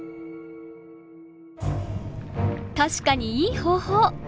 確かにいい方法！